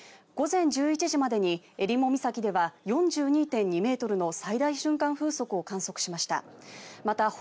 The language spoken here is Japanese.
午前１１時までにえりも岬では４２．２ｍの最大瞬間風速を観測しました。